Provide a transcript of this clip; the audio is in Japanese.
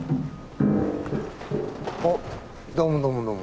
おっどうもどうもどうも。